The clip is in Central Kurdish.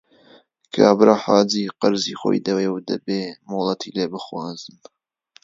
کابرا حاجی قەرزی خۆی دەوێ و دەبێ مۆڵەتی لێ بخوازن